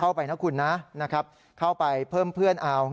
เข้าไปนะคุณนะนะครับเข้าไปเพิ่มเพื่อนเอา